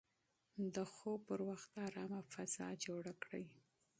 د خوب پر مهال ارامه فضا جوړه کړئ.